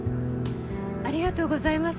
ありがとうございます